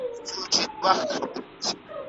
مطالعه بايد د ورځني ژوند برخه وګرځي.